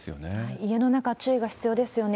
家の中、注意が必要ですよね。